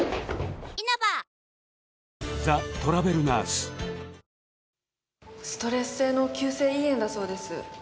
ストレス性の急性胃炎だそうです。